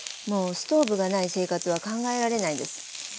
もうストーブがない生活は考えられないです。